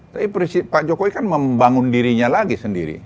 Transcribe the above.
tapi prinsip pak jokowi kan membangun dirinya lagi sendiri